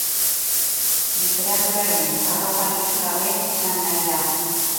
Literaturaren arroparik gabe esan nahi da.